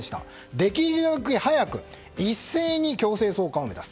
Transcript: できるだけ早く一斉に強制送還を目指す。